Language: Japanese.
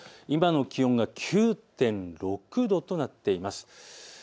今の気温が９．６度となっています。